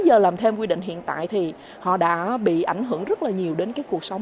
giờ làm thêm quy định hiện tại thì họ đã bị ảnh hưởng rất là nhiều đến cái cuộc sống